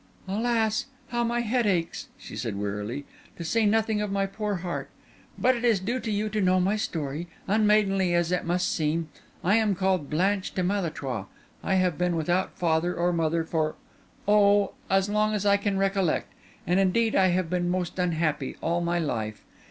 "Alas, how my head aches!" she said wearily—"to say nothing of my poor heart! But it is due to you to know my story, unmaidenly as it must seem. I am called Blanche de Malétroit; I have been without father or mother for—oh! for as long as I can recollect, and indeed I have been most unhappy all my life.